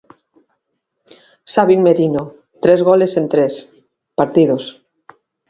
Sabin Merino, tres goles en tres, partidos.